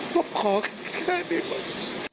ผมขอแค่นี้เลย